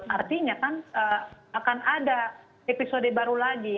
artinya kan akan ada episode baru lagi